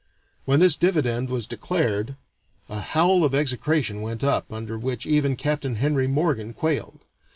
When this dividend was declared, a howl of execration went up, under which even Capt. Henry Morgan quailed.